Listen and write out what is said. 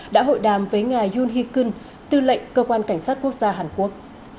đã hội đàm với ngài yoon hee keun tư lệnh cơ quan cảnh sát quốc gia hàn quốc